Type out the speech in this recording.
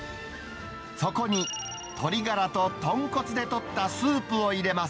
そこに鶏がらと豚骨で取ったスープを入れます。